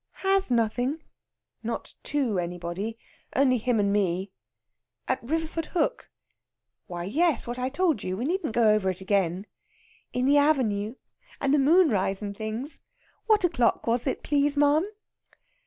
"Has nothing?" "Not to anybody. Only him and me." "At Riverfordhook?" "Why, yes, what I told you. We needn't go over it again." "In the avenue. And moonrise and things. What o'clock was it, please, ma'am?"